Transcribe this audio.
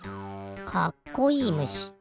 かっこいいムシ。